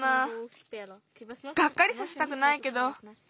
がっかりさせたくないけど。